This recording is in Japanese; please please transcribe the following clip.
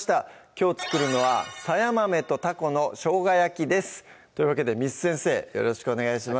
きょう作るのは「さや豆とたこの生姜焼き」ですというわけで簾先生よろしくお願いします